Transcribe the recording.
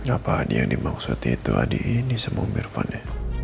apa adi yang dimaksud itu adi ini sama irvannya